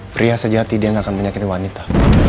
pria sejati dia yang akan menyakiti wanita